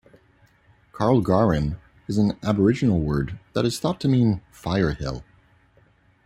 Karlgarin is an Aboriginal word that is thought to mean "fire hill".